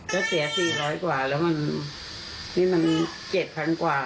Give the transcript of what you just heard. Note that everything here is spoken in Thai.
ก็เสีย๔๐๐กว่าแล้วมัน๗๐๐๐กว่า